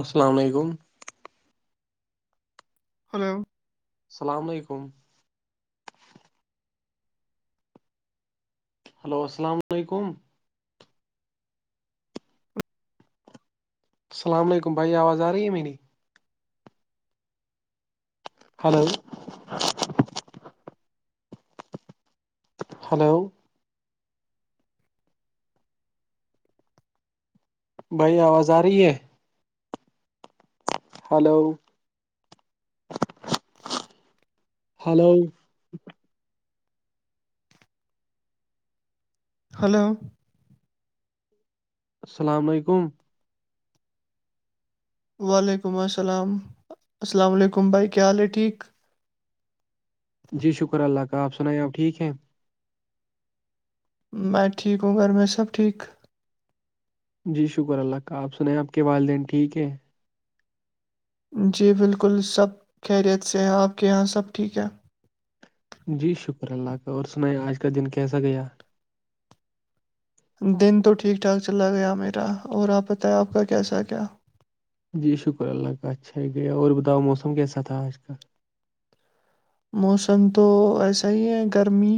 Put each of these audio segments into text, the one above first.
السلام علیکم ہیلو السلام علیکم ہیلو السلام علیکم السلام علیکم بھائی آواز آ رہی میں نہیں ہلو ہیلو بھائی آواز آ رہی ہے ہیلو ہلو ہلو السلام علیکم والیکماسالام آلامالیکم کیا حال ہیں بھیجا جی شکر اللہ کا آپ سنائیے آب ٹھیک ہیں میں ٹھیک ہوں گھر میں سب ٹھیک جی شکر اللہ کا آپ سنیں آپ کے والدین ٹھیک ہیں جی بالکل سب خیریت سے ہیں آپ کے یہاں سب ٹھیک ہے جی شکر اللہ کا اور سنیں آج کا دن کیسا گیا دن تو ٹھیک ٹھاک چلا گیا میرا اور آپ بتائیں آپ کا کیسا کیا جی شکر اللہ کا اچھا ہی گیا اور بتاؤ موسم کیسا تھا آج کال موسم تو ایسا ہی ہے گرمی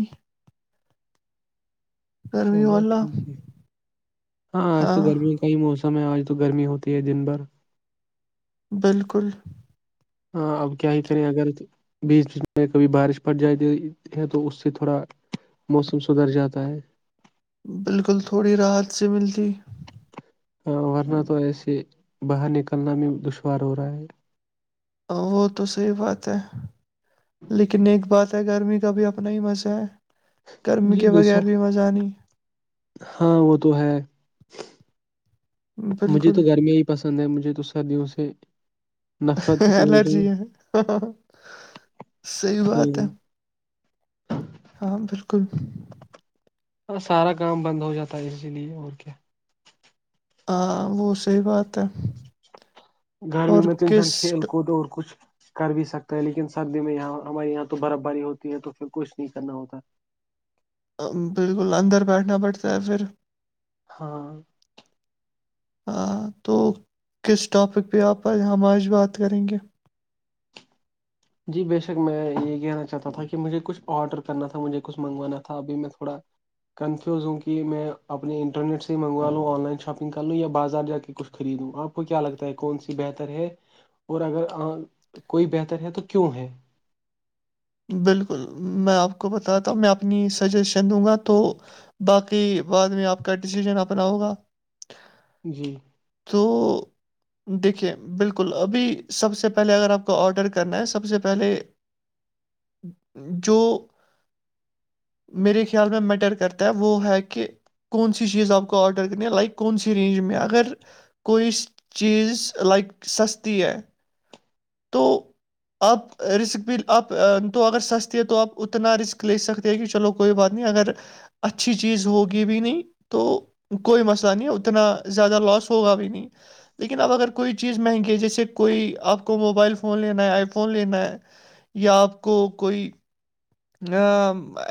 گرمی چلو والا ٹھیک ہے ہاں آج تو گرمی کئی موسم ہے آج تو گرمی ہوتی ہے دن بھر بالکل ہاں اب کیا ہی کریں اگر [inaudible] بیچ بیچ میں کبھی بارش پڑ جاتی ہے تو اس سے تھوڑا [inaudible] موسم سدھر جاتا ہے بالکل تھوڑی راحت سے ملتی ہاں ورنہ تو ایسے باہر نکلنا میں دشوار ہو رہا ہے وہ تو صحیح بات ہے لیکن ایک بات گرمی کا بھی اپنا ہی مزہ ہے گرمی جی کے بے بغیر شک بھی مزہ نہیں ہاں وہ تو ہے مجھے بالکل تو گرمیا ہی پسند ہے مجھے تو سردیوں سے نفرت ہی سمجھ ل الرجی ہے صحیح بات ہے ہاں [inaudible] ہاں بالکل ہاں سارا کام بند ہو جاتا ہے اسی لیے اور کیا ہاں وہ صحیح بات ہے گرمی اور میں تو انسان کس کھیل کود اور کچھ کر بھی سکتا ہے لیکن سردی میں یہاں ہمارے یہاں تو برف باری ہوتی ہے تو پھر کچھ نہیں کرنا ہوتا بالکل اندر بیٹھنا پڑتا ہے پھر ہاں ہاں تو کس ٹاپک پہ آپ ہم آج بات کریں گے جی بے شک میں یہ کہنا چاہتا تھا کہ مجھے کچھ آڈر کرنا تھا مجھے کچھ منگوانا تھا ابھی میں تھوڑا کنفیوز ہوں کہ میں اپنے انٹرنیٹ سے ہی مگوا لوں آن لائن شاپنگ کر لوں یا بازار جا کے کچھ خریدوں آپ کو کیا لگتا ہے کون سی بہتر ہے اور اگر کوئی بہتر ہے تو کیوں ہے بالکل میں آپ کو بتاتا ہوں میں اپنی سجیشن دوں گا تو باقی بعد میں آپ کا ڈسیزن اپنا ہوگا جی تو [inaudible] دیکھیے بالکل ابھی سب سے پہلے اگر آپ کو آڈر کرنا ہے سب سے پہلے جو میرے خیال میں میٹر کرتا ہے وہ ہے کہ کون سی چیز آپ کو آرڈر کرنی ہے لائک کون سی رینج میں اگر کوئی چیز لائک سستی ہے تو آپ رسک بھی آپ تو اگر سستی ہے تو آپ اتنا رسک لے سکتے کہ چلو کوئی بات نہیں اگر اچھی چیز ہوگی بھی نہیں تو کوئی مسئلہ نہیں اتنا زیادہ لاس ہوگا بھی نہیں لیکن اب اگر کوئی چیز مہنگی جیسے کوئی آپ کو کو موبائل فون لینا ہے آئی فون لینا ہے یا آپ کو کوئی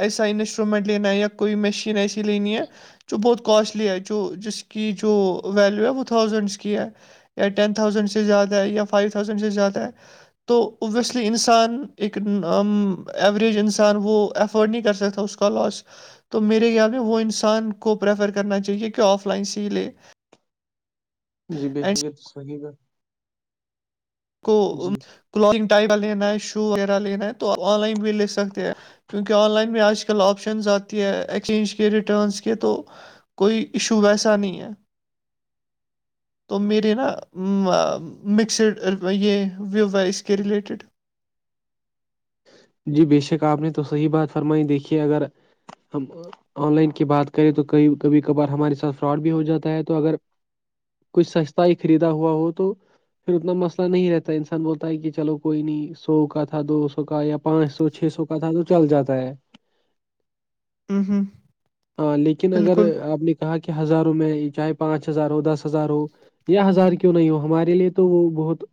ایسا انسٹرومنٹ لینا ہے یا کوئی مشین ایسی لینی ہے جو بہت کوسٹلی ہے جو جس کی جو ویلیو ہے وہ تھازینڈس کی ہے یا ٹین تھاؤزینڈ سے زیادہ ہے یا فائیو تھاؤزینڈ سے زیادہ ہے تو اوبویسلی انسان ایک ایوریج انسان انسان وہ افورڈ نہیں کر سکتا اس کا لاس تو میرے خیال میں وہ انسان کو پریفر کرنا چاہیے کہ آف لائن سی لے جی بے فریت تو صحیح بات کو جی کلتنگ ٹائپ لینا ہے شو وغیرہ لینا ہے تو آن لائن بھی لے سکتے ہیں کیونکہ آن لائن میں آج کل آج کل آپشنز آتی ہے ایکسچینج کے ریٹرنز کے تو کوئی ایشو ویسا نہیں ہے تو میرے نا مکسڈ یہ ویو واس کے ریلیٹڈ جی بے شک آپ نے تو صحیح بات فرمائی دیکھیے اگر ہم آن لائن کی بات کریں تو کبھی کبھار ہمارے ساتھ فراڈ بھی ہو جاتا ہے تو اگر کچھ سستا ہی خریدا ہوا ہو تو پھر اتنا مسئلہ نہیں رہتا ہے انسان بولتا ہے کہ چلو کوئی نہیں سو کا تھا دو سو کا یا پانچ سو چھ سو کا تھا تو چل جاتا ہے ہوں ہاں لیکن اگر بالکل آپ نے کہاں کے ہزاروں میں چاہے پانچ ہزار ہو دس ہزار ہو یا ہزار کیوں نہیں ہو ہمارے لیے تو وہ بہت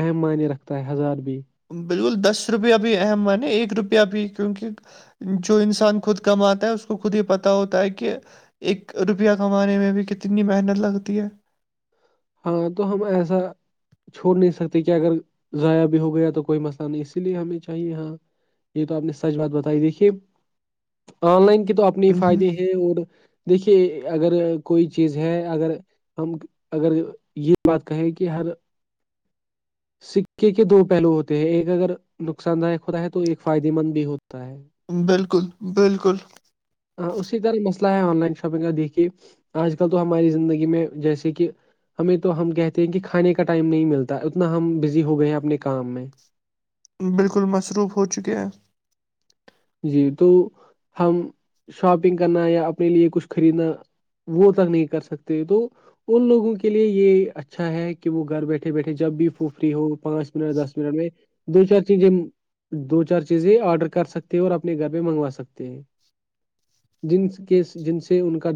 اہم منی رکھتا ہے ہزار بھی بالکل دس روپیہ بھی اہم مانےایک روپیہ بھی کیونکہ جو انسان خود کم آتا ہے اس کو خود ہی پتہ ہوتا ہے کہ ایک روپیہ کمانے میں بھی کتنی محنت لگتی ہے ہاں تو ہم ایسا چھوڑ نہیں سکتے کیا اگر ضائع بھی ہو گیا تو کوئی مسئلہ نہیں اسی لیے ہمیں چاہیے یہاں یہ تو آپ نے سچ بات بتائی دیکھیے آن لائن کی تو اپنے فائدے ہوں ہیں اور دیکھیے اگر کوئی چیز ہے اگر ہم اگر یہ بات کہے کہ ہر سکے کے دو پہلو ہوتے ہیں ایک اگر نقصان داک ہوتا ہے تو ایک فائدے مند بھی ہوتا ہے بالکل بالکل اسی طرح مسئلہ ہے آن لائن شاپنگ کا دیکھیے آج کل تو ہماری زندگی میں جیسے کہ ہمیں تو ہم کہتے ہیں کہ کھانے کا ٹائم نہیں ملتا اتنا ہم بزی ہو گئے ہیں اپنے کام میں بالکل مصروف ہو چکے ہیں جی تو ہم شاپنگ کرنا یا اپنے لیے کچھ خریدنا وہ تک نہیں کر سکتے تو ان لوگوں کے لیے یہ اچھا ہے کہ وہ گھر بیٹھے بیٹھے جب بھی وہ فری ہو پانچ منٹ دس منٹ میں دو چار چیزیں دو چار چیزیں آڈر کر سکتے اور اپنے گھر پہ منگوا سکتے ہیں جن کے جن سے ان کا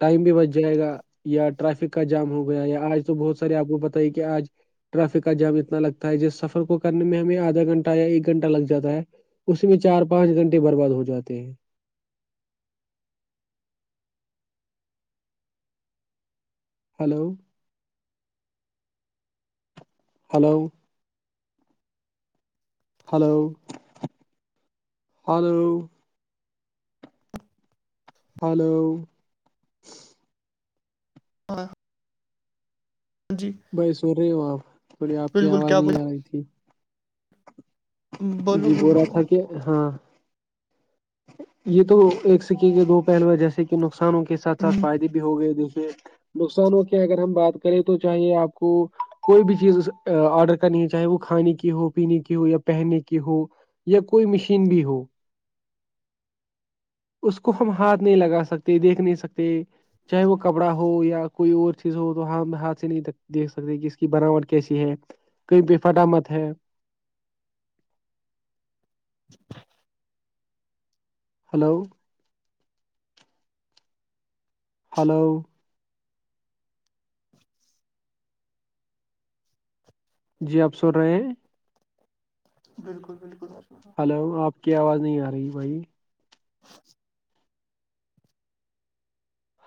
ٹائم بھی بچ جائے گا یا ٹریافک کا جام ہو گیا یا آج تو بہت سارے آپ کو پتہ ہی کہ آج ٹریافک کا جام اتنا لگتا ہے جس سفر کو کرنے میں ہمیں آدھا گھنٹہ یا ایک گھنٹہ لگ جاتا ہے تو چار پانچ گھنٹے برباد ہو جاتے ہیں hello hello hello hello hello [inaudible] جی بھائی سن رہی ہو آپ تھوڑی آپ کی بالکل آواز کیا بول نہیں آ رہی تھی بولو جی بول بولو رہا بولو تھا کہ ہاں یہ تو ایک سکے کے دو پہلوئے جیسے کہ نقصانوں کے ساتھ ساتھ ہ فائدے بھی ہو گئے دیکھیے نقصانوں کی اگر ہم بات کریں تو چاہے آپ کو کوئی بھی چیز آڈر نہیں چاہے وہ کھانے کی ہو پینے کی ہو یا پہنے کی ہو یا کوئی مشین بھی ہو اس کو ہم ہاتھ نہیں لگا سکتے دیکھ نہیں سکتے چاہے وہ کپڑا ہو یا کوئی اور چیز ہو تو ہم ہاتھ سے نہیں دیکھ سکتے کہ اس کی بناوٹ کیسی ہے کہیں پہ فٹامت ہے [inaudible] ہلو ہیلو جی آپ سن رہے ہیں بالکل بالکل ہاں ہیلو آپ کی آواز نہیں آ رہی بھائی [inaudible]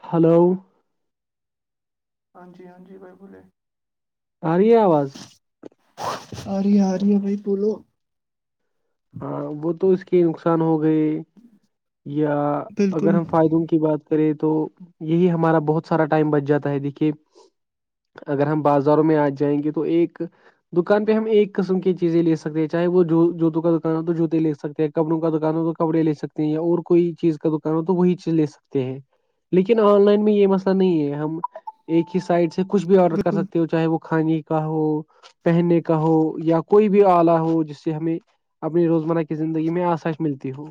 ہلو ہاں جی ہاں جی بالکل آرہی آواز آ رہی آ رہی ہے بھائی بولو ہاں وہ تو اس کے نقصان ہو گئے یا اگر بالکل ہم فائدوں کی بات کرے تو یہی ہمارا بہت سارا ٹائم بچ جاتا ہے دیکھیے اگر ہم بازاروں میں آ جائیں گے تو ایک دکان پہ ہم ایک قسم کی چیزیں لے سکتے ہیں چاہے وہ جو جوتوں کا دکان ہو تو جوتے لے سکتے ہیں کپڑوں کا دکان ہو تو کپڑے لے سکتے ہیں یا اور کوئی چیز کا دکان ہو تو وہی چیز لے سکتے ہیں لیکن آن لائن میں یہ مسئلہ نہیں ہے ہم ایک ہی سائٹ سے کچھ بھی آرڈر کر بالکل سکتے ہو چاہے وہ کھے کا ہو پہننے کا ہو یا کوئی بھی آلہ ہو جس سے ہمیں اپنی روزمرہ کی زندگی میں آسائش ملتی ہو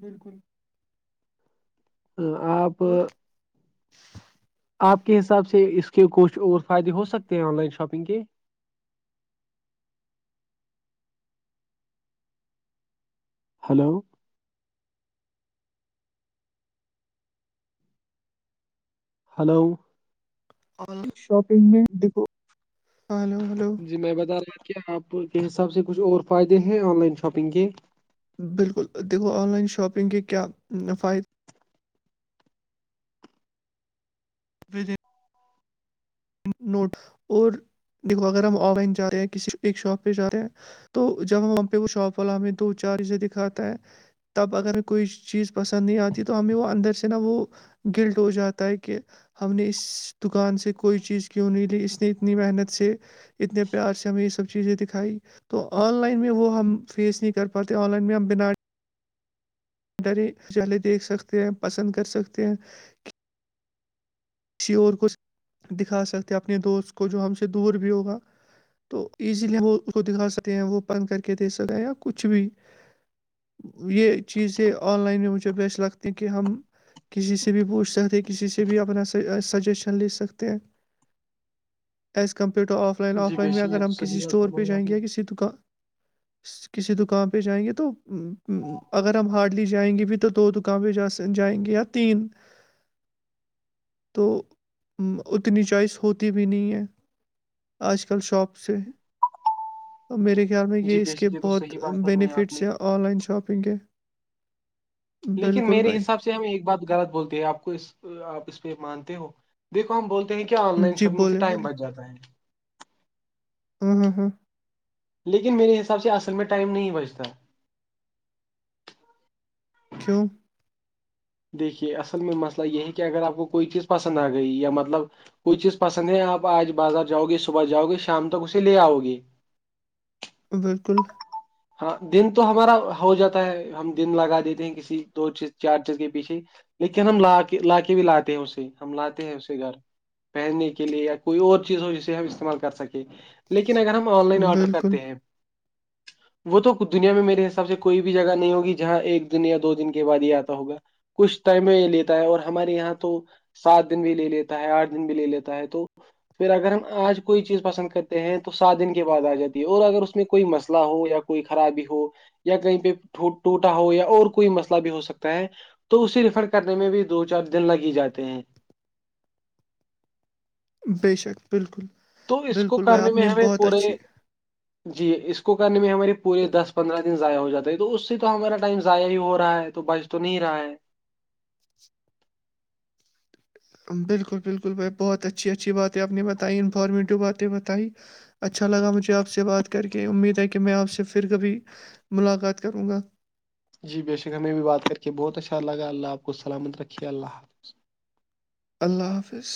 بالکل آپ اور آپ کے حساب سے اس کے کچھ اور فائدے ہو سکتے ہیں آن لائن شاپنگ کے hello hello online shopping میں دھو ہلو ہلو جی میں بتا رہا کہ آپ کے حساب سے کچھ اور فائدے ہیں آن لائن شاپنگ کے بالکل دیکھو آن لائن شاپنگ کے کیا نفائد [inaudible] نوٹ اور دیکھو اگر ہم آن لائن جا رہے ہیں کسی ایک شاپ پہ جا رہے ہیں تو جب ہم وہ پہ وہ شاپ والا ہمیں دو چار اسے دکھاتا ہے تب اگر ہم کوئی چیز پسند نہیں آتی تو ہمیں وہ اندر سے نہا وہ گلڈ ہو جاتا ہے کہ ہم نے اس دکان سے کوئی چیز کیوں نہیں لی اس نے اتنی محنت سے اتنے پیار سے ہمیں یہ سب چیزیں دکھائی تو آن لائن میں وہ ہم فیس نہیں کر پاتے آن لائن میں ہم بنا ڈر خالے دیکھ سکتے ہیں پسند کر سکتے ہیں کہ کسی اور کو دکھا سکتے اپنے دوست کو جو ہم سے دور بھی ہوگا تو ایزیلی ہم اس کو دکھا سکتے ہیں وہ پن کر کے دے سکتے ہیں یا کچھ بھی یہ چیزیں آن لائن میں مجھے بییس لگتی ہیں کہ ہم کسی سے بھی پوچھ سکتے کسی سے بھی اپنا سجیشن لے سکتے ہیں ایز کمپیئر ٹو آپ آف لائن جی آف لائن میں بیشک یہ اگر تو ہم کسی صحیح بات اسٹور پہ فرمائی آپ جائیں گے نے یا کسی دکان کسی دکان پہ جائیں گے تو اگر ہم ہارڈلی جائیں گے بھی تو دو دکان پہ جا جائیں گے آپ تین تو اتنی چوائس ہوتی بھی نہیں ہے آج کل شاپ سے میرے خیال میں جی یہ اس کے بیشک تو بہت صحیح بات فرمائی آپ بینیفٹس نے ہیں آن لائن شاپنگ کے لیکن بالکل میرے بھائی حساب سے ہم ایک بات غلط بولتے ہیں آپ کو آپ اس پہ مانتے ہو دیکو ہم بولتے ہیں کیا آن لائن جی شاپنگ سے بولے ٹائم بولے بچ جاتا ہے ہوں ہوں ہوں [inaudible] لیکن میرے حساب سے اصل میں ٹائم نہیں بجتا ککھیوں [unintelligible] دیکھیے اصل میں مسئلہ یہ ہے کہ اگر آپ کو کوئی چیز پسند آ گئی یا مطلب کوئی چیز پسند ہے آپ آج بازار جاؤ گے صبح جاؤ گے شام تک اسے لے آؤ گے بالکل ہاں دن تو ہمارا ہو جاتا ہے ہم دن لگا دیتے ہیں کسی دو چیز چار چیز کے پیچھے لیکن ہم لا کے لا کے بھی لاتے ہیں اسے ہم لاتے ہیں اسے گھر [inaudible] پہننے کے لیے یا کوئی اور چیز ہو جسے ہم استعمال کر سکیں لیکن اگر ہم آن لائن آرڈر بالکل، کرتے ہیں وہ تو دنیا میں میرے حساب سے کوئی بھی جگہ نہیں ہوگی جہاں ایک دن یا دو دن کے بعد ہی آتا ہوگا کچھ ٹیم یہ لیتا ہے اور ہمارے یہاں تو سات دن بھی لے لیتا ہے آٹھ دن بھی لے لیتا ہے تو پھر اگر ہم آج کوئی چیز پسند کرتے ہیں تو سات دن کے بد آ جاتی ہے اور اگر اس میں کوئی مسئلہ ہو یا کوئی خرابی ہو یا کہیں پہ ٹوٹا ہو یا اور کوئی مسئلہ بھی ہو سکتا ہے تو اسے ریفر کرنے میں بھی دو چار دن لگ ہی جاتے ہیں بے شک بالکل تو اس کو بالکل بھائی کرنے آپ میں نے ہمیں بہت پورے اچھی جی اس کو کرنے میں ہماری پورے دس پندرہ دن ضائع ہو جاتا ہے تو اس سے تو ہمارا ٹائم ضائع ہی ہو رہا ہے تو بچ تو نہیں رہا ہے بالکل بالکل بھائی بہت اچھی اچھی باتیں آپ نے بتائی انفارمیٹو باتیں بتائی اچھا لگا مجھے آپ سے بات کر کے امید ہے کہ میں آپ سے پھر کبھی ملاقات کروں گا جی بے شک ہمیں بھی بات کر کے بہت اچھا لگا اللہ آپ کو سلامت رکھیے اللہ اللہ حافظ